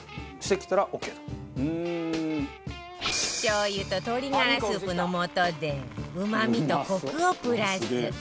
しょう油と鶏がらスープの素でうまみとコクをプラス